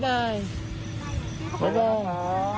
บ๊ายบาย